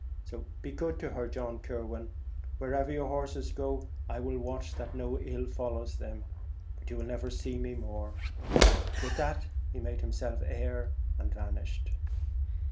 Be good to her, John Kirwan, and wherever your horses go I will watch that no ill follows them ; but you will never see me more.' With that he made himself air, and vanished.